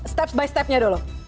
step by step nya dulu